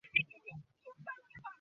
কথিত মতে, সে ছিল সালিফ-এর যারজ সন্তান।